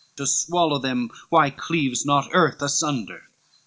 To swallow them why cleaves not earth asunder?